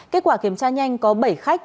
kết quả kiểm tra nhanh có bảy khách